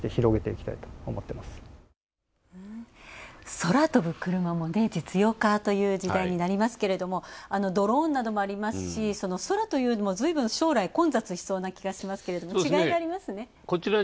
空飛ぶクルマも実用化という時代になりますけれども、ドローンなどもありますし、空というのもずいぶん将来、混雑しそうな気がしますけど違いがありますね。